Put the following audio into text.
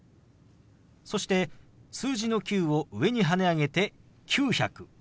そして数字の「９」を上にはね上げて「９００」。